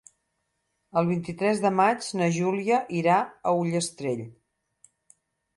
El vint-i-tres de maig na Júlia irà a Ullastrell.